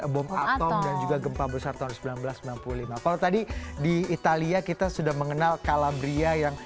bom atom dan juga gempa besar tahun seribu sembilan ratus sembilan puluh lima kalau tadi di italia kita sudah mengenal calabria yang